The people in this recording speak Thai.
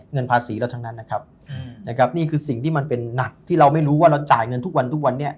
เงินภาษีเราทั้งนั้นนะครับนี่คือสิ่งที่มันเป็นหนักที่เราไม่รู้ว่าเราจ่ายเงินทุกวันทุกวันนี้